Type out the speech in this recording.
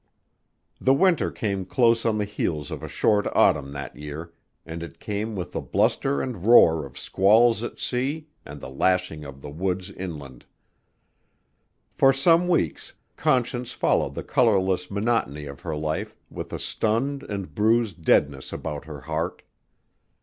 The winter came close on the heels of a short autumn that year and it came with the bluster and roar of squalls at sea and the lashing of the woods inland. For some weeks Conscience followed the colorless monotony of her life with a stunned and bruised deadness about her heart.